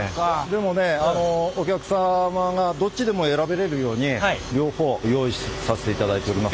でもねあのお客様がどっちでも選べるように両方用意させていただいております。